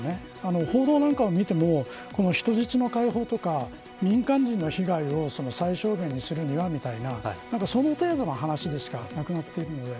報道を見ても人質の開放とか民間人の被害を最小限にするにはみたいなその程度の話にしかなくなっているので。